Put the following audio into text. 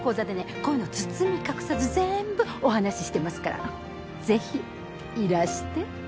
こういうの包み隠さず全部お話ししてますからぜひいらして。